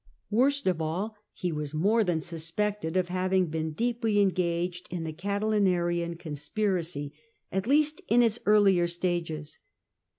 Worst of all, he was more than suspected of liaviug been deeply engaged in the Catiliuarian eon CJSSAR AND CATILINE 299 spiracy, at least in its earlier stages.